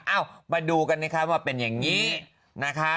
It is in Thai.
เอ้ามาดูกันนะครับว่าเป็นอย่างนี้นะคะ